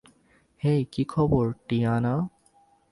হেই, কী খবর, টিয়ানা?